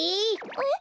えっ？